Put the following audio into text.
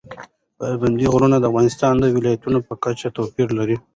پابندی غرونه د افغانستان د ولایاتو په کچه توپیر لري.